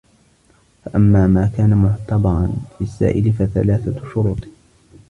فَأَمَّا مَا كَانَ مُعْتَبَرًا فِي السَّائِلِ فَثَلَاثَةُ شُرُوطٍ